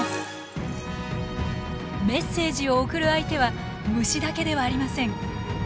メッセージを送る相手は虫だけではありません。